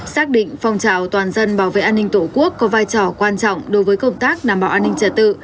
xác định phòng trào toàn dân bảo vệ an ninh tổ quốc có vai trò quan trọng đối với công tác nằm bảo an ninh trả tự